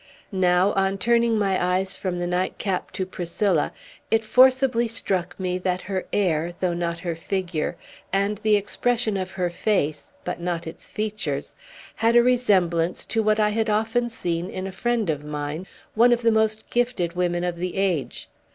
Now, on turning my eyes from the nightcap to Priscilla, it forcibly struck me that her air, though not her figure, and the expression of her face, but not its features, had a resemblance to what I had often seen in a friend of mine, one of the most gifted women of the age.